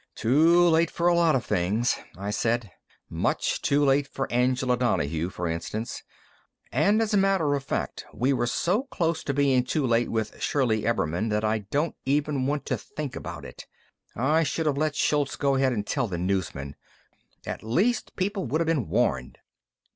"Too late for a lot of things." I said. "Much too late far Angela Donahue, for instance. And, as a matter of fact, we were so close to being too late with Shirley Ebbermann that I don't even want to think about it. I should have let Shultz go ahead and tell the newsmen. At least people would have been warned."